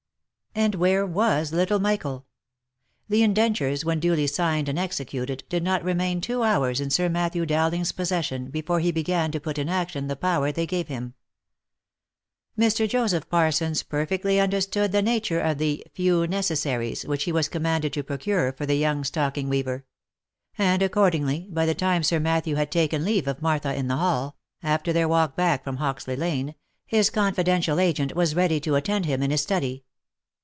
And where was little Michael ? The indentures, when duly signed and executed, did not remain two hours in Sir Matthew Dowling's possession before he began to put in action the power they gave him. Mr. Joseph Parsons perfectly understood the nature of the "few ne cessaries " which he was commanded to procure for the young stocking weaver ; and accordingly, by the time Sir Matthew had taken leave of Martha in the hall, after their walk back from Hoxley lane, his confi dential agent was ready to attend him in his study.